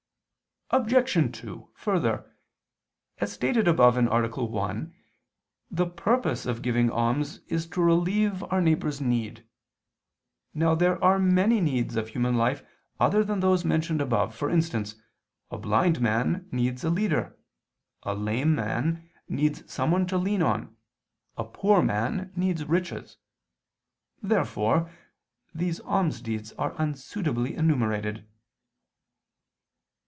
Obj. 2: Further, as stated above (A. 1), the purpose of giving alms is to relieve our neighbor's need. Now there are many needs of human life other than those mentioned above, for instance, a blind man needs a leader, a lame man needs someone to lean on, a poor man needs riches. Therefore these almsdeeds are unsuitably enumerated.